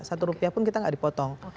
satu rupiah pun kita nggak dipotong